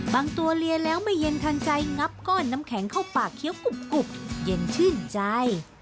ตัวเลียแล้วไม่เย็นทันใจงับก้อนน้ำแข็งเข้าปากเคี้ยวกรุบเย็นชื่นใจ